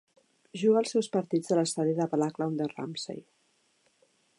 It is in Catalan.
Juga els seus partits a l'estadi Ballacloan de Ramsey.